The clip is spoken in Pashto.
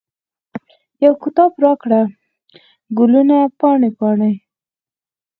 یو کتاب راکړه، ګلونه پاڼې، پاڼې